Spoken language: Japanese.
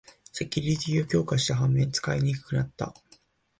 セキュリティーを強化した反面、使いにくくなった